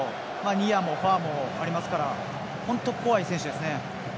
ニアもファーもありますから本当に怖い選手ですね。